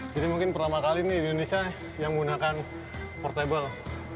jadi mungkin pertama kali di indonesia yang menggunakan portable